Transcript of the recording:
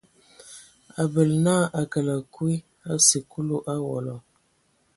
A bələ na a kələ kui a sikulu owola.